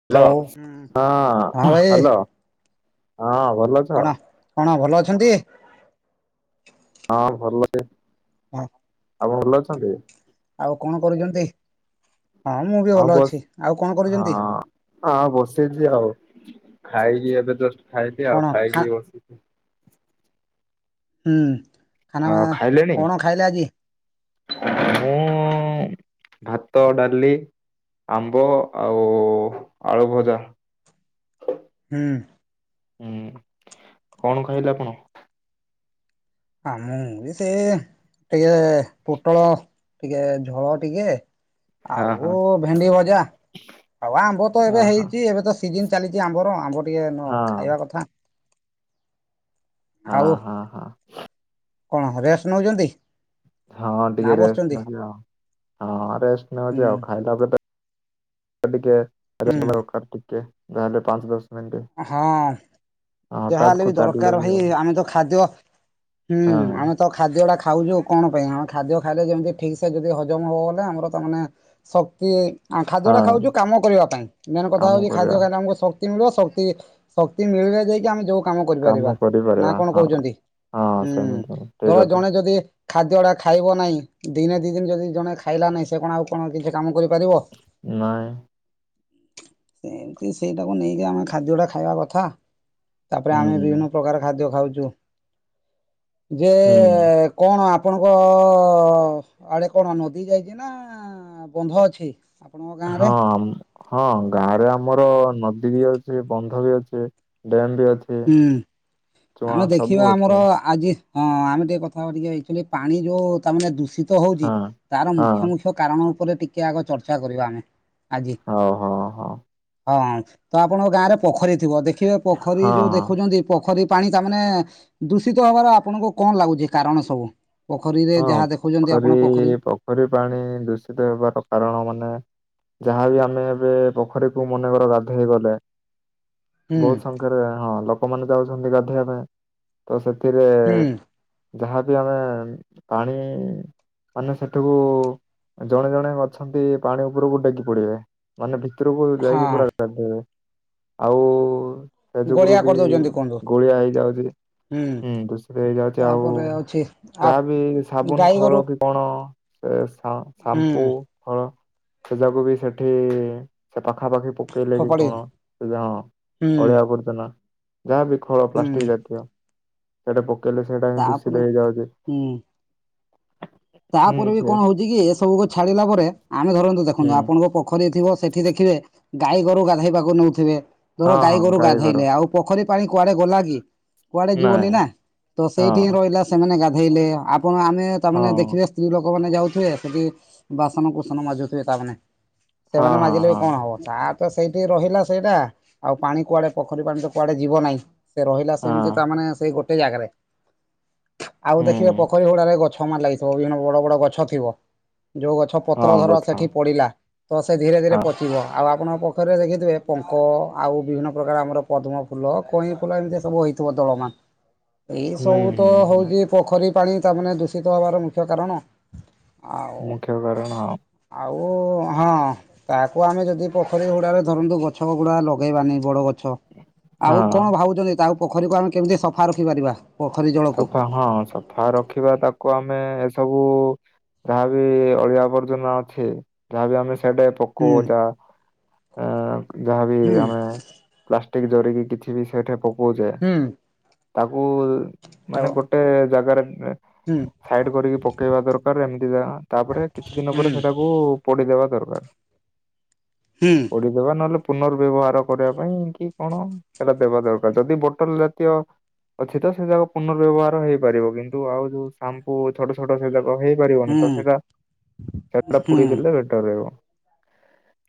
Hello hello ହଁ hello ହଁ ଭଲ କଣ କଣ ଭଲ ଅଛନ୍ତି। ହଁ ଭଲ ଟେ। ହଁ। ଆପଣ ଭଲ ଅଛନ୍ତି। ଆଉ କଣ କରୁଛନ୍ତି। ହଁ ମୁଁ ବି ହଁ ଭଲ ବସ୍ ଅଛି ଆଉ କଣ କରୁଛନ୍ତି। ହଁ ହଁ ବସେଇଛିି ଆଉ ଖାଇକି ଏବେ ଜଷ୍ଟ ଖାଇଲି କଣ ଆଉ ଖା ଖାଇକି ବସି ହୁଁ। ଖାନା ହଁ ଖାଇଲେଣି କଣ ଖାଇଲେ ଆଜି ହଁ। ଉଁ ଭାତ ଡାଲି ଆମ୍ବ ଆଉ ଆଳୁ ଭଜା। ହୁଁ। ହୁଁ କଣ ଖାଇଲେ ଆପଣ? ଆ ମୁ [unintelligible] ଟିକେ ପୁଟଳ ଟିକେ ଝୋଳ ଟିକେ। ହଁ ହଁ ଆଉ ଭେଣ୍ଡି ଭଜା ଆଉ ଆମ୍ବ ତ ହଁ ଏବେ ହଁ ହେଇଛି ଏବେ ତ ସ ସିଜନ୍ ଚାଲିଛି ଆମ୍ବର ଆମ୍ବ ଟିକେ ହଁ ଖାଇବା କଥା। ଆଉ ହଁ ହଁ କଣ ହଁ ରେଷ୍ଟ ନଉଛନ୍ତି। ହଁ ନା ଟିକେ ରେଷ୍ଟ ବସୁଛନ୍ତି ନଉଛି ଆଉ ହଁ ରେଷ୍ଟ ହୁଁ ନଉଛି ଆଉ ଖାଇଲା ପରେ ଟିକେ ହୁଁ [unintelligible] ଯାହା ହେଲେ ପାଞ୍ଚ ଦଶ ମିନିଟ୍ ହଁ ହଠାତ୍ ଯାହାହେଲେ କୁ ବି ତାରିଲେ ଦରକାର ହବ ଭାଇ ଆମେ ତ ଖାଦ୍ୟ ହୁଁ ହଁ ଆମେ ତ ଖାଦ୍ୟ ଟା ଖାଉଛୁ କଣ ପାଇଁ ଆମେ ଖାଦ୍ୟ ଖାଇଲେ ଯେମିତି ଠିକ ସେ ଯଦି ହଜମ ହବ ଗଲେ ଆମର ତାମାନେ ଶକ୍ତି ଖାଦ୍ୟଟା ହଁ ଖାଉଛୁ କାମ କରିବା ପାଇଁ ମେନ୍ କଥା କାମ ହଉଛି ଖାଦ୍ୟ କରିବା। ଖାଇଲେ ଆମକୁ ଶକ୍ତି ମିଳିବ ଶକ୍ ତି ଶକ୍ତି ମିଳଳେ ଯାଇକି ଆମେ ଯୋଉ କାମ କରିପାରିବା ନା କରିପାରିବା କଣ ହଁ କହୁଛନ୍ତି ହଁ ହୁଁ ସେମିତି ଠିକ ଧର କଥା ଜଣେ ଯଦି ଖାଦ୍ୟଟା ଖାଇବ ନାହିଁ ଦିନେ ଦିଇ ଦିନ ଯଦି ଜଣେ ଖାଇଲା ନାହିଁ। ସେ କଣ ଆଉ କଣ ତମ ସହିତ କାମ କରିପାରିବ। ନାଇଁ। ସେମତି ସେଇଟାକୁ ନେଇକି ଆମେ ଖାଦ୍ୟ ଟା ଖାଇବା କଥା। ତାପରେ ଆମେ ହୁଁ ବିଭିନ୍ନ ପ୍ରକାର ଖାଦ୍ୟ ଖାଉଛୁ। ଯେ ହୁଁ କଣ ଆପଣଙ୍କ ଆଡେ କଣ ନଦୀ ଯାଇଚି ନା ବନ୍ଧ ଅଛି? ଆପଣଙ୍କ ଗାଁ ରେ ହଁ ଆମ ହଁ ଗାଁ ରେ ଆମର ନଦୀ ବି ଅଛି ବନ୍ଧ ବି ଅଛି ଡ୍ୟାମ ବି ଅଛି। ହୁଁ ଚୁଆଁ ଆମେ ଦେଖିବା ସବୁ ଆମର ଅଛି ଆଜି ହଁ ଆମେ ଟିକେ କଥା ହେବା ଟିକେ ଆକଚୁଆଲି ପାଣି ଯୋଉ ତା ମାନେ ଦୂଷିତ ହଉଛି ହଁ। ତାର ହଁ ମୁଖ୍ୟ ମୁଖ୍ୟ କାରଣ ଉପରେ ଟିକେ ଆଗ ଚର୍ଚ୍ଚା କରିବା ଆମେ ଆଜି। ହଉ ହଉ। ହଉ ହଁ ତ ଆପଣଙ୍କ ଗାଁରେ ପୋଖରୀ ଥିବ ଦେଖିବେ ପୋଖରୀ ହଁ ଯୋଉ ହଁ। ଦେଖୁଛନ୍ତି ପୋଖରୀ ପାଣି ତାମାନେ ଦୂଷିତ ହବାର ଆପଣଙ୍କୁ କଣ ଲାଗୁଛି କାରଣ ସବୁ? ପୋଖରୀରେ ଯାହା ଦେଖୁଛନ୍ତି ଆପଣ ପୋଖରୀ ପୋଖରୀ ପାଣି ଦୂଷିତ ହେବାର କାରଣ ମାନେ ଯାହାବି ଆମେ ଏବେ ପୋଖରୀକୁ ମନେକର ଗାଧେଇ ଗଲେ ହୁଁ ବହୁତ ସଂଖ୍ୟାରେ ହଁ ଲୋକମାନେ ଯାଉଛନ୍ତି ଗାଧେଇବା ପାଇଁ ତ ସେଥିରେ ହୁଁ ଯାହାବି ଆମେ ପାଣି ମାନେ ସେଠେକୁ ଜଣେ ଜଣେ ଅଛନ୍ତି ପାଣି ଉପରକୁ ଡେଗି ପଡିବେ। ମାନେ ଭିତରକୁ ଯାଇକି ହଁ ପୁରା ଗାଧେଇବେ ଆଉ ସେ ଯୁଗୁରୁ ଗୋଳିଆ ବି କରିଦଉଛନ୍ତି କୁହନ୍ତୁ ଗୋଳିଆ ହେଇଯାଉଛି। ହୁଁ ଧୁଷରେଇ ଯାଉଚି ଆଉ। ତାପରେ ଅଛି ଆ ଯାହା ବି ସାବୁନ ଗାଈ ଗୋରୁ ଖୋଳ କି କଣ ସେ ସା ହୁଁ ସାମ୍ପୁ ଫଳ ସେ ଯାକୁ ବି ସେଠି ସେ ପାଖାପାଖି ପକେଇଲେ କି ଫୋପାଡି କଣ [unintelligible] ହଁ ହୁଁ ଅଳିଆ ଆବର୍ଜନା ଯାହାବି ଖଳ ହୁଁ ପ୍ଲାଷ୍ଟିକ୍ ଜାତୀୟ। ସେଟା ପକେଇଲେ ସେଇଟା ହିଁ ତାପରେ ଦୂଷିତ ହେଇଯାଉଚି। ହୁଁ। ହୁଁ ତାପରେ ବି ସେ କଣ ହଉଛି କି ଏସବୁକୁ ଛାଡିଲା ପରେ ଆମେ ଧରନ୍ତୁ ହୁଁ ଦେଖନ୍ତୁ ଆପଣଙ୍କ ପୋଖରୀ ଥିବ ସେଠି ଦେଖିବେ ଗାଈ ଗୋରୁ ଗାଧେଇବାକୁ ନଉଥିବେ। ଧର ହଁ ଗାଈ ହଁ ଗୋରୁ ଘର ଗାଧେଇଲେ ଆଉ ପୋଖରୀ ପାଣି କୁଆଡେ ଗଲା ଗି କୁଆଡେ ଯିବନି ନାଇଁ ନା ତ ହଁ ସେଇଠି ହିଁ ରହିଲା ସେମାନେ ଗାଧେଇଲେ ଆପଣ ଆମେ ହଁ ତାମାନେ ଦେଖ ଲୋକମାନେ ଯାଉଥିବେ ସେଠି ବାସନ କୁସନ ମାଜୁଥିବେ ତାମାନେ। ହଁ ସେମାନେ ହଁ ମାଜିଲେ ବି ହଁ କଣ ହବ ତା ତ ସେଇଠି ରହିଲା ସେଇଟା ଆଉ ପାଣି କୁଆଡେ ପୋଖରୀ ପାଣି ତ କୁଆଡେ ଯିବ ନାହିଁ। ସେ ରହିଲା ସେମିତି ହଁ ତା ମାନେ ସେଇ ଗୋଟେ ଜାଗାରେ। ଆଉ ଦେଖିବେ ହୁଁ ପୋଖରୀ ହୁଡାରେ ଗଛ ମାନ୍ ଲାଗିଥିବ ବିଭିନ୍ନ ବଡ ବଡ ଗଛ ଥିବ ଯୋଉ ଗଛ ପତ୍ର ହଁ ଧର ଗଛ ସେଠି ପଡିଲା ତ ସେ ଧୀରେ ଧୀରେ ହଁ ପ ଥିବ ଆଉ ଆପଣଙ୍କ ପୋଖରୀରେ ଦେଖିଥିବେ ପଙ୍କ ଆଉ ବିଭିନ୍ନ ପ୍ରକାର ଆମର ପଦ୍ମ ଫୁଲ କଇଁ ଫୁଲ ଏମିତି ସବୁ ହେଇ ଥିବ ଦଳମାନ। ଏଇ ହୁଁ ସବୁ ତ ହୁଁ ହୁଁ ହଉଛି ପୋଖରୀ ପାଣି ତାମାନେ ଦୂଷିତ ହବାର ମୁଖ୍ୟ କାରଣ। ମୁଖ୍ୟ କାରଣ ହଁ ଆଉ-ଆଉ ହଁ। ତାହାକୁ ଆମେ ଯଦି ପୋଖରୀ ହୁଡାରେ ଧରନ୍ତୁ ଗଛ ଗୁଡା ଲଗେଇବାନି ବଡ ଗଛ। ଆଉ ହଁ କଣ ଭାବୁଚନ୍ତି ତାକୁ ପୋଖରୀକୁ ଆମେ କେମିତି ସଫା ରଖିପାରିବା ପୋଖରୀ ଜଳ ସଫା ହଁ ସଫା ରଖିବା ତାକୁ ଆମେ ଏସବୁ ଯାହାବି ଅଳିଆ ଆବର୍ଜନା ଅଛି ଯାହାବି ଆମେ ସେଡେ ହୁଁ ପକଉଚ ଯାହାବି ହୁଁ ଆମେ ପ୍ଲାଷ୍ଟିକ ଜରିକି କିଛି ବି ସେଠେ ପକଉଛେ ହୁଁ। ତାକୁ ମାନେ ଆଉ ଗୋଟେ ଜାଗାରେ ହୁଁ ସାଇଡ କରିକି ପକେଇବା ଦରକାର ଏମିତି ତାପରେ କିଛି ଦିନ ହୁଁ ପରେ ସେଟାକୁ ପୋଡିଦେବା ଦରକାର। ହୁଁ। ପୋଡିଦେବା ନହେଲେ ପୁନର୍ବ୍ୟବହାର କରିବା ପାଇଁ କି କଣ। ସେଟା ଦେବା ଦରକାର ଯଦି ବୋଟଲ ଜାତୀୟ ଅଛି ତ ସେଟାକୁ ପୁନର୍ବ୍ୟବହାର ହେଇପାରିବ କିନ୍ତୁ ଆଉ ଯୋଉ ସାମ୍ପୁ ଛୋଟ ଛୋଟ ସେଟାକୁ ହେଇପାରିବନି ହୁଁ ତ ସେଇଟା ସେଟା ହୁଁ ପୁଡି ଦେଲେ ବେ ସରେଇବ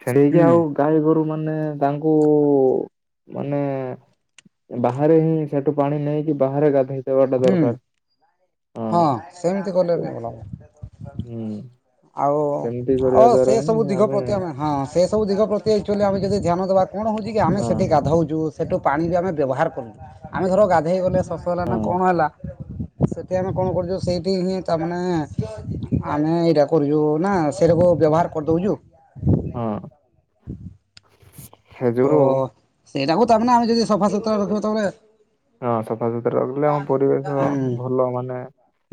ହେଡେଇକି ହୁଁ ଆଉ ଗାଈ ଗୋରୁ ମାନେ ତାଙ୍କୁ ମାନେ ବାହାରେ ହିଁ ସେଠୁ ପାଣି ନେଇକି ବାହାରେ ଗାଧେଇ ଦେବାଟା ହୁଁ ଦରକାର। ହଁ ସେମିତି କଲେ ଜାଇଁ ଭଲ ହବ। ହୁଁ ଆଉ ସେମିତି କରିବା ଆଉ ଦ୍ଵାରା ସେ ସବୁ ହିଁ ଦିଗ ପ୍ରତି ଆମେ ହଁ ସେ ସବୁ ଦିଗ ପ୍ରତି ଆକଚୁଆଲି ଆମେ ଯଦି ଧ୍ୟାନ ଦେବା କଣ ହେଉଛି କି ଆମେ ହଁ ସେଠି ଗାଧଉଚୁ। ସେଠୁ ପାଣି ବି ଆମେ ବ୍ୟବହାର କରୁ, ଆମେ ଧର ଗାଧୋଇ ଗଲେ ସ ହଁ କଣ ହେଲା ସେଠି ଆମେ କଣ କରୁଛୁ ସେଇଠି ହିଁ ତା ମାନେ ଆମେ ଏଇଟା କରୁଛୁ ନା ସେଇଟାକୁ ବ୍ୟବହାର କରିଦଉଛୁ। ହଁ। ସେ ତ ଯୋଗୁରୁ ସେଇଟାକୁ ତାମାନେ ଆମେ ଯଦି ସଫା ସୁତୁରା ରଖିବା ତାହେଲେ ହଁ ସଫାସତୁରା ରଖିଲେ ଆମ ପରିବେଶ ହୁଁ ଭଲ ମାନେ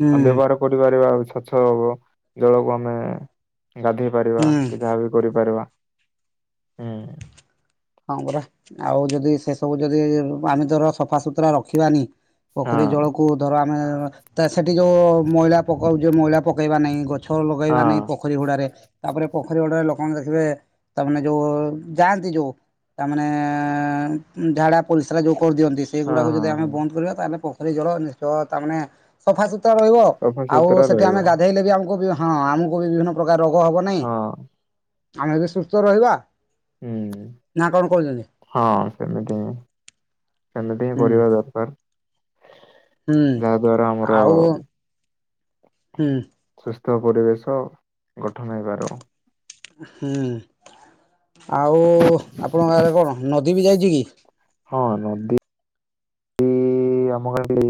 ହୁଁ ବ୍ୟବ [unintelligible] ସ୍ବଚ୍ଛ ହବ, ଜଳକୁ ଆମେ ଗାଧେଇ ପାରିବା ହୁଁ କି ଯାହା ବି କରିପାରିବା, ହୁଁ। ହଁ ପରା ଆଉ ଯଦି ସେ ସବୁ ଯଦି ଆମେ ତର ସଫାସୁତୁରା ରଖିବାନି ପୋଖରୀ ହଁ। ଜଳକୁ ଧର ଆମେ ତା ସେଠି ଯୋଉ ମଇଳା ପକଉଚେ ମଇଳା ପକେଇବା ନାଇଁ ଗଛ ହଁ ଲଗେଇବା ନାଇଁ ପ ପୋଖରୀ ହୁଡାରେ ତାପରେ ପୋଖରୀ ହୁଡାରେ ଲୋକମାନେ ଦେଖିବେ ତାମାନେ ଯୋଉ ଯାଆନ୍ତି ଯୋଉ। ତାମାନେ ଝାଡ଼ା, ପରିସ୍ରା ଯୋଉ କରିଦିଅନ୍ତି ହଁ ସେଇଗୁଡ଼ାକୁ ହଁ ଯଦି ଆମେ ହଁ ବନ୍ଦ କରିବା ତାହେଲେ ପୋ ଖରି ଜଳ ନିଶ୍ଚୟ ତା ମାନେ ସଫା ସୁତୁରା ରହିବ ଆଉ, ସଫାସୁତୁରା ସେଠି ରହିବ ଆମେ ଗାଧେଇଲେ ବି ଆମକୁ ବି ହଁ ଆମକୁ ବି ବିଭିନ୍ନ ପ୍ରକାର ରୋଗ ହବ ନାହିଁ ହଁ ଆମେ ବି ସୁସ୍ଥ ରହିବା। ହୁଁ। ନା କଣ କହୁଛନ୍ତି? ହଁ ସେମିତି ହିଁ ସେମିତି ହିଁ ହୁଁ କରିବା ଦରକାର। ହୁଁ ଯାହା ଦ୍ୱାରା ଆମର ଆଉ ହୁଁ। ସୁସ୍ଥ ପରିବେଶ ଗଠନ ହେଇପାରିବ। ହୁଁ ଆଉ ଆପଣଙ୍କ ଆଡେ କଣ ନଦୀ ବି ଯାଇଛି କି? ହଁ ନଦୀ ଆମ ଆଡେ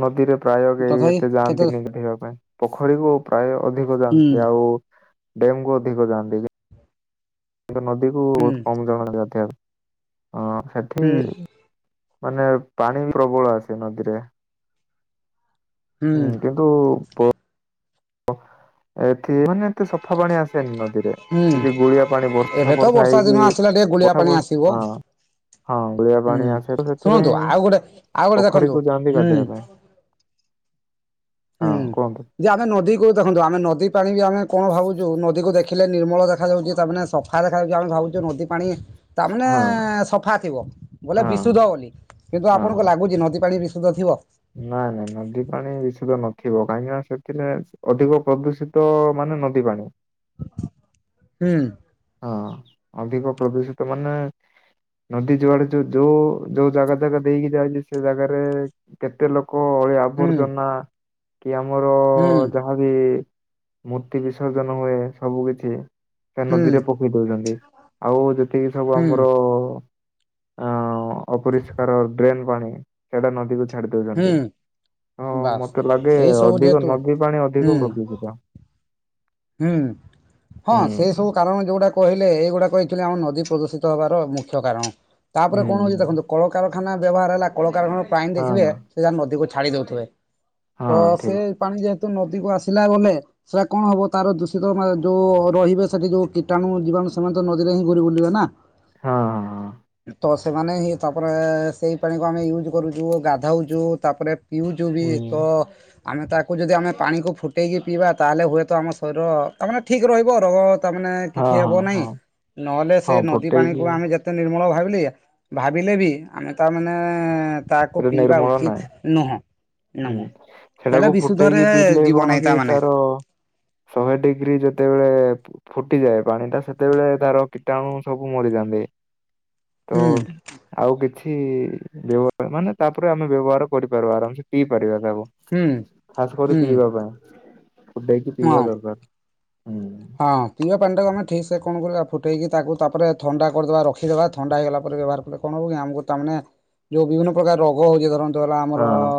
ନଦୀରେ ପ୍ରାୟ କେହି ତଥାପି ଏତେ କେତେ ହୁଁ ଯାଆନ୍ତିନି ଗାଧେଇବା ପାଇଁ। ପୋଖରୀକୁ ପ୍ରାୟ ଅଧିକ ଯାଆନ୍ତି ଆଉ ଡ୍ୟମ୍ କୁ ଅଧିକ ଯାଆନ୍ତି। ନଦୀ କୁ ହୁଁ ବହୁତ କମ ଜଣ ଗାଧେଇବାକୁ ହଁ ହୁଁ ସେଠି ମାନେ ପାଣି ପ୍ରବଳ ଆସେ ନଦୀରେ। ହୁଁ କିନ୍ତୁ ପ ପ ଏଠି ମାନେ ଏତେ ସ ଫା ପାଣି ଆସେନି ନଦୀରେ ହୁଁ ଟିକେ ଗୋଳିଆ ପାଣି ବର୍ଷା ଏବେ ତ ଫର୍ଷା ବର୍ଷା ହେଇକି ଦିନ ଆସିଲା ଟିକେ ଗୁଳିଆ ବର୍ଷା ପାଣି ଆସିବ ବର୍ଷା ହଁ। ହଁ ଗୋଳିଆ ହୁଁ ପାଣି ଆସେ ତ ଶୁଣନ୍ତୁ ସେଥିପାଇଁ ଆଉ ଗୋଟେ ଆଉ ଗୋଟେ ଦେଖନ୍ତୁ ପୋଖରୀକୁୁ ଯାଆନ୍ତି ହୁଁ ଗାଧୋଇବା ପାଇଁ। ହୁଁ ହଁ କୁହନ୍ତୁ ଯେ ଆମେ ନଦୀକୁ ଦେଖନ୍ତୁ ଆମେ ନଦୀ ପାଣି ବି ଆମେ କଣ ଭାବୁଛୁ ନଦୀକୁ ଦେଖ ଦେଖିଲେ ନିର୍ମଳ ଦେଖାଯାଉଛି ତାମାନେ ସଫା ଦେଖାଯାଉଛି ଆମେ ଭାବୁଛୁ ନଦୀ ପାଣି ତାମାନେ ହଁ ସଫା ଥିବ ବୋଲେ ହଁ ବିଶୁଦ୍ଧ ବୋଲି। କିନ୍ତୁ ଆପଣଙ୍କୁ ହଁ। ଲାଗୁଛି ନଦୀ ପାଣି ବିଶୁଦ୍ଧ ଥିବ? ନାଇଁ ନାଇଁ ନଦୀ ପାଣି ବିଶୁଦ୍ଧ ନଥିବ କାହିଁକି ନା ସେଥିରେ ଅଧିକ ପ୍ରଦୂଷି ତ ମାନେ ନଦୀ ପାଣି। ହୁଁ। ହଁ ଅଧିକ ପ୍ରଦୂଷିତ ମାନେ ନଦୀ ଯୁଆଡେ ଯୋଉ ଯୋଉ ଯୋଉ ଜାଗା ଜାଗା ଦେଇକି ଯାଉଛି ସେ ଜାଗାରେ କେତେ ଲୋକ ଅଳିଆ ହୁଁ ଆବର୍ଜନା କି ଆମର ହୁଁ ଜା ଯାହାବି ମୂର୍ତ୍ତି ବିସର୍ଜନ ହୁଏ ସବୁ କିଛି ସେ ହୁଁ ନଦୀରେ ପକେଇ ଦେଉଛନ୍ତି, ଆଉ ଯେତିକି ସବୁ ହୁଁ ଆମର ଆ ଅପରିଷ୍କାର ଡ୍ରେନ୍ ପାଣି ସେଟା ନଦୀକୁ ଛାଡି ଦଉଛନ୍ତି, ହୁଁ ହଁ ବାସ୍ ମତେ ଲାଗେ ଏଇ ସବୁ ଅଧିକ ଯେହେତୁ ନଦୀ ପାଣି ହୁଁ ଅଧିକ ପ୍ରଦୂଷିତ। ହୁଁ ହଁ ହୁଁ ସେ ସବୁ କାରଣ ଯୋଉଟା କହିଲେ ଏଗୁଡ଼ାକ ଆଚୁଲି ଆମ ନଦୀ ପ୍ରଦୂଷିତ ହେବାର ମୁଖ୍ୟ କାରଣ ତାପରେ ହୁଁ କଣ ହଉଚି ହୁଁ ଦେଖନ୍ତୁ କଳକାରଖାନା ବ୍ୟବହାର ହେଲା କଳକାରଖାନ ପାଣି ଦେଖିବେ ହଁ ସେ ଯାକ ନଦୀକୁ ଛାଡ଼ି ଦେଉଥିବେ। ତ ହଁ ସେ ଠିକ ପାଣି ଯେହେତୁ ନଦୀ କୁ ଆସିଲା ଗନେ ସେଇଟା କଣ ହବ ତାର ଦୂଷିତ ମାନେ ଯୋଉ ରହିବେ ସେଠି ଯୋଉ କୀଟାଣୁ ଜିବାଣୁ ସେମାନେ ତ ନଦୀରେ ହିଁ ଘୁରି ବୁଲିବେ ନା। ହଁ ହଁ ହଁ। ତ ସେମାନେ ହିଁ ତାପରେ ସେଇ ପାଣିକୁ ଆମେ ୟୁଜ୍ କରୁଚୁ ଗାଧାଉଚୁ ତାପରେ ପିଉଚୁ ବି ହୁଁ ତ ଆମେ ତାକୁ ଯଦି ଆମେ ପାଣିକୁ ଫୁଟେଇକି ପିଇବା ତାହେଲେ ହୁଏତ ଆମ ର ତାମାନେ ଠିକ୍ ରହିବ ରୋଗ ତା ମାନେ ହଁ କିଛି ହେବ ହଁ ନାହିଁ ହଁ ନହେଲେ ସେ ହଁ ନଦୀ ଫୁଟେଇକି ପାଣିକୁ ଆମେ ଯେ ଏତେ ନିର୍ମଳ ଭାବିଲି ଏୟା ଭାବିଲେ ବି ଆମେ ତାମାନେ ତାକୁ ପୁରା ପିଇବା ନିର୍ମଳ ନାହିଁ। ଉଚିତ୍ ନୁହଁ। ହୁଁ ନୁହଁ ସେଇଟା ସେଟାକୁ ବିଶୁଦ୍ଧରେ ଫୁଟେଇକି ପିଇଲେ ଯିବ ନାହିଁ କଣକି ତାମାନେ ତାର ଶହେ ଡିଗ୍ରୀ ଯେତେବେଳେ ଫୁଟିଯାଏ ପାଣି ଟା ସେତେବେଳେ ତାର କୀଟାଣୁ ସବୁ ମରିଯାନ୍ତି। ତ ହୁଁ ଆଉ କିଛି ବ୍ୟବ ମାନେ ତାପରେ ଆମେ ବ୍ୟବହାର କରିପାରିବା ଆରାମସେ ପିଇ ପାରିବା ତାକୁ। ହୁଁ ଖାସ କରି ହୁଁ ପିଇବା ପାଇଁ ଫୁଟେଇକି ହଁ। ପିଇବା ଦରକାର୍ ହୁଁ। ହଁ ପିଇବା ପାଣିଟାକୁ ଆମେ ଠିକ୍ ସେ କଣ କରିବା ଫୁଟାଇକି ତାକୁ ତାପରେ ଥଣ୍ଡା କରିଦବା ରଖିଦବା ଥଣ୍ଡା ହେଇଗଲା ପରେ ବ୍ୟବହାର କଲେ କଣ ହବ କି ଆମକୁ ତାମାନେ ଯୋଉ ବିଭିନ୍ନ ପ୍ରକାର ରୋଗ ହଉଚି ଧରନ୍ତୁ ହେଲା ଆମର ହଁ।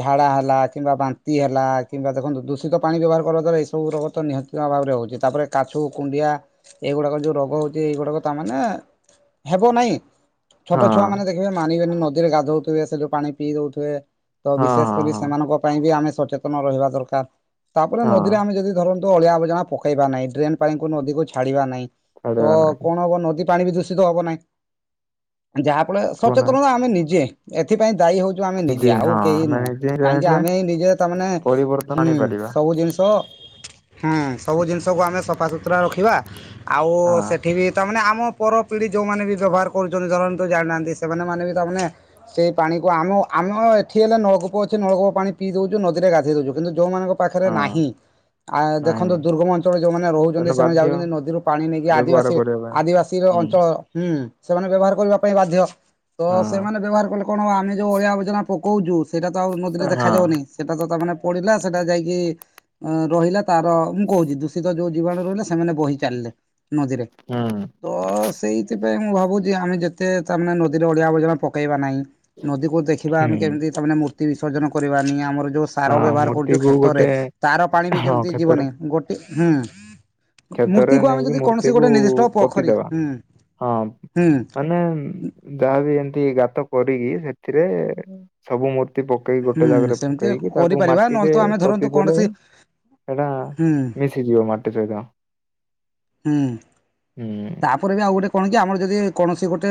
ଝାଡ଼ା ହେଲା କିମ୍ବା ବାନ୍ତି ହେଲା କିମ୍ବା ଦେଖନ୍ତୁ ଦୂଷିତ ପାଣି ବ୍ୟବହାର କରିବା ଦ୍ୱାରା ଏଇ ସବୁ ରୋଗ ତ ନିହାତି ଇୟା ଭାବରେ ହେଉଚି ତାପରେ କାଛୁ କୁଣ୍ଡିଆ ଏଗୁଡ଼ାକ ଯେଉଁ ରୋଗ ହେଉଚି ଏଇଗୁଡ଼ାକ ତାମାନେ ହେବ ନାଇଁ। ଛୋଟ ହଁ ଛୁଆ ମାନେ ଦେଖିବେ ମାନିବେନି ନଦୀରେ ଗାଧୋଉଥିବେ ସେଠୁ ପାଣି ପିଇ ଦଉଥିବେ ତ ହଁ ବିଶେଷ ହଁ କରି ହଁ ସେମାନଙ୍କ ପାଇଁ ବି ଆମେ ସଚେତନ ରହିବା ଦରକାର୍ ତାପରେ ନଦୀରେ ହଁ ଆମେ ଯଦି ଧରନ୍ତୁ ଅଳିଆ ଆବର୍ଜ ନ ପକେଇବା ନାହିଁ ଡ୍ରେନ୍ ପାଣି କୁ ନଦୀକୁ ଛାଡିବା ନାହିଁ ତ ଛାଡିବା ନାହିଁ କଣ ହବ ନଦି ପାଣି ବି ଦୂଷିତ ହବ ନାହିଁ ଯାହାଫଳ ହବ ନା। ସଚେତନତା ଆମେ ନିଜେ ଏଥିପାଇଁ ଦାୟୀ ହଉ ଯ ଆମେ ନିଜେ ଆଉ ହଁ କେହି ଆମେ ନୁହଁ ନିଜେ କାହିଁକି ଚାହିଁଲେ ଆମେ ନିଜେ ତାମାନେ ପରିବର୍ତ୍ତନ ହୁଁ ଆଣିପାରିବା ସବୁ ଜିନିଷ [inaudible] ହୁଁ ସବୁ ଜିନିଷକୁ ଆମେ ସଫାସୁତୁରା ରଖିବା ଆଉ ହଁ। ସେଠିବି ତାମାନେ ଆମ ପର ପିଢି ଯୋଉମାନେ ବି ବ୍ୟବହାର କରୁଚନ୍ତି ଧରନ୍ତୁ ଜାଣିନାହାନ୍ତି ସେମାନେ ମାନିବେ ତାମାନେ ସେଇ ପାଣିକୁ ଆମ ଆମେ ଏଠି ହେଲେ ନଳକୂପ ଅଛି ନଳକୂପ ପାଣି ପିଇ ଦେଉଚୁ ନଦୀରେ ଗାଧେଇ ଦଉଚୁ କିନ୍ତୁ ଯଉଁମାନଙ୍କ ପାଖେରେ ହଁ ନାହିଁ ଆ ନାହିଁ ଦେଖନ୍ତୁ ଦୁର୍ଗମ ଅଞ୍ଚଳରେ ଯେଉଁମାନେ ରହୁଚନ୍ତି ତେଣୁ ସେମାନେ ବାଧ୍ୟ ଯାଉଚନ୍ତି ନଦୀରୁ ପାଣି ନେଇକି ବ୍ୟବହାର ଆଦିବାସୀ କରିବା ପାଇଁ ଆଦିବାସୀର ହୁଁ। ଅଞ୍ଚଳ ହୁଁ ସେମାନେ ବ୍ୟବହାର କରିବା ପାଇଁ ବାଧ୍ୟ ତ ହଁ ସେମାନେ ବ୍ୟବହାର କଲେ କଣ ହବ ଆମେ ଯୋଉ ଅଳିଆ ଆବର୍ଜନା ପକୋଉଚୁ ସେରାତ ଆଉ ନଦୀରେ ହଁ ଦେଖାଯାଉନିଁ। ସେଟା ତ ତାମାନେ ପଡ଼ିଲା ସେଟା ଯାଇକି ଉଁ ରହିଲା ତାର ଉଁ କହୁଚି ଦୂଷିତ ଯୋଉ ଜୀବାଣୁ ରହିଲେ ସେମାନେ ବୋହି ଚାଲିଲେ ନଦୀରେ। ହୁଁ ତ ସେଇଥିପାଇଁ ମୁଁ ଭାବୁଚି ଆମେ ଯେତେ ତାମାନେ ନଦୀରେ ଅଳିଆ ଆବର୍ଜନା ପକେଇବା ନାଇଁ। ନଦୀକୁ ଦେଖିବା ଆମେ ହୁଁ କେମିତି ତାମାନେ ମୂର୍ତ୍ତି ବିସର୍ଜନ କରିବାନି ଆମର ଯୋଉ ସ୍ ତାର ହଁ ବ୍ୟବହାର କରୁଚୁ ମୂର୍ତ୍ତିକୁ କ୍ଷେତରେ ଗୋଟେ ତାର ପାଣି ବି ହଁ କେମିତି କ୍ଷେତରେ ଯିବନି ଗୋଟେ ହୁଁ। କ୍ଷେତରେ ମୂର୍ତ୍ତିକୁ ଆମେ ନେଇକି ଯଦି କୌଣସି ମୂର୍ତ୍ତିକୁ ଗୋଟେ ନିର୍ଦ୍ଦିଷ୍ଟ ପୋଖରୀ ପୋତିଦେବା ହୁଁ ହଁ ହୁଁ ମାନେ ଯାହାବି ଏମିତି ଗାତ କରିକି ସେଥିରେ ସବୁ ମୂର୍ତ୍ତି ପକେଇ ହୁଁ ଗୋଟେ ଜାଗାରେ ସେମିତି ପକେଇକି ତାକୁ କରିପାରିବା ନହେଲେ ମାଟିରେ ତ ଆମେ ଧରନ୍ତୁ ପୋତି ଦେଲେ କୌଣସି ସେଟା ହୁଁ ମିଶି ଯିବ ମାଟି ସହିତ। ହୁଁ। ହୁଁ। ତାପରେ ବି ଆଉ ଗୋଟେ କଣ କି ଆମର ଯଦି କୌଣସି ଗୋଟେ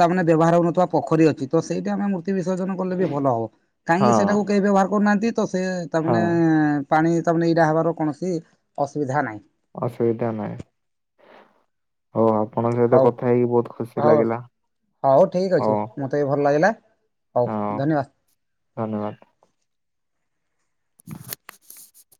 ତା ମାନେ ବ୍ୟବହାର ହୋଉନଥିବା ପୋଖରୀ ଅଛି ତ ସେଇଟି ଆମେ ମୂ ର୍ତ୍ତି ବିସର୍ଜନ କଲେ ବି ଭଲ ହବ କାହିଁକି ହଁ ସେଟାକୁ କେହି ବ୍ୟବହାର କରୁନାହାନ୍ତି ତ ସେ ହଁ ତାମାନେ ପାଣି ତାମାନେ ଏଇଟା ହେବାର କୌଣସି ଅସୁବିଧା ନାହିଁ। ଅସୁବିଧା ନାଇଁ। ହଉ ଆପଣଙ୍କ ସହିତ ହଉ କଥା ହେଇକି ବହୁତ ଖୁସି ହଉ ଲାଗିଲା, ହଉ ଠିକ୍ ଅଛି ହଉ। ମତେ ବି ଭଲ ଲାଗିଲା, ହଉ ହଁ ଧନ୍ୟବାଦ। ଧନ୍ୟବାଦ। [inaudible]